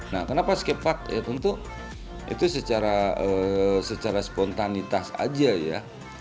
nah kenapa skatepark ya tentu itu secara spontanitas aja ya